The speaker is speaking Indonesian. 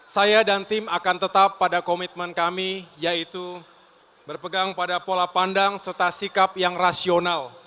saya dan tim akan tetap pada komitmen kami yaitu berpegang pada pola pandang serta sikap yang rasional